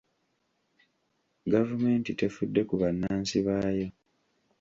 Gavumenti tefudde ku bannansi baayo.